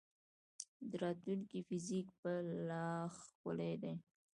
د راتلونکي فزیک به لا ښکلی دی.